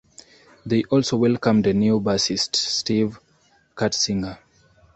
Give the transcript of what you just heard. They also welcomed a new bassist, Steve Curtsinger.